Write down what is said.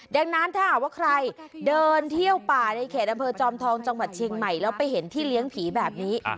ดังนั้นถ้าหากว่าใครเดินเที่ยวป่าในเขตอำเภอจอมทองจังหวัดเชียงใหม่แล้วไปเห็นที่เลี้ยงผีแบบนี้